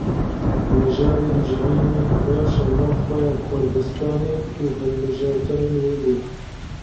Mijarên civînê rewşa navxwe ya Kurdistanê û hilbijartinên wê bûn.